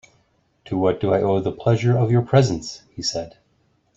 "To what do I owe the pleasure of your presence," he said.